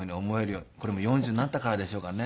これも４０になったからでしょうかね。